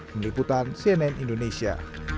meliputan cnn indonesia